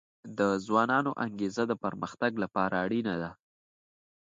د ځوانانو انګیزه د پرمختګ لپاره اړینه ده.